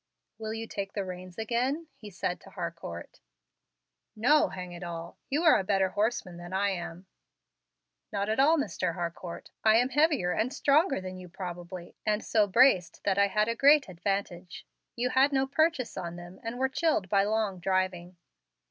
"Will you take the reins again?" he said to Harcourt. "No, hang it all. You are a better horseman than I am." "Not at all, Mr. Harcourt. I am heavier and stronger than you probably, and so braced that I had a great advantage. You had no purchase on them, and were chilled by long driving."